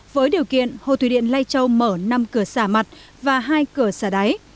với điều kiện hồ thủy điện lai châu mở năm cửa xả mặt và hai cửa xả đáy